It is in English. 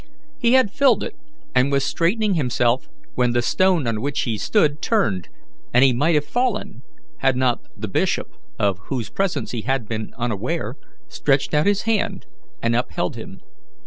He had filled it, and was straightening himself, when the stone on which he stood turned, and he might have fallen, had not the bishop, of whose presence he had been unaware, stretched out his hand and upheld him.